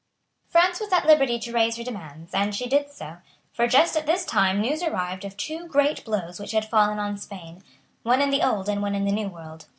France was at liberty to raise her demands; and she did so. For just at this time news arrived of two great blows which had fallen on Spain, one in the Old and one in the New World.